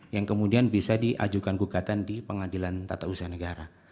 yang kemudian bisa diajukan gugatan di pengadilan tata usaha negara